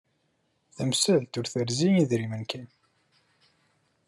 Tamsalt ur terzi idrimen kan.